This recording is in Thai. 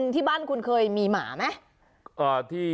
ที่บ้านคุณเคยมีหมาไหม